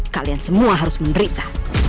kalian semua harus menderita